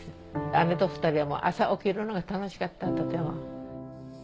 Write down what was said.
姉と２人朝起きるのが楽しかったとても。